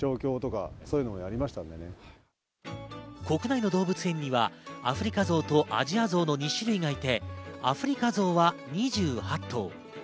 国内の動物園にはアフリカゾウとアジアゾウの２種類がいてアフリカゾウは２８頭。